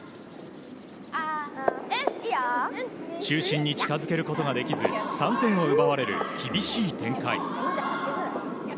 中心に近づけることができず３点を奪われる厳しい展開。